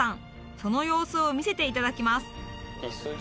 その様子を見せていただきます